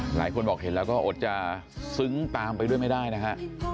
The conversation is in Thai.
หลายคนบอกเห็นแล้วก็อดจะซึ้งตามไปด้วยไม่ได้นะฮะ